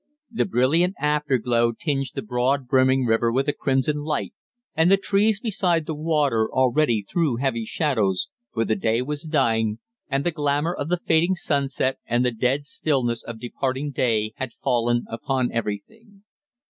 The brilliant afterglow tinged the broad, brimming river with a crimson light, and the trees beside the water already threw heavy shadows, for the day was dying, and the glamour of the fading sunset and the dead stillness of departing day had fallen upon everything.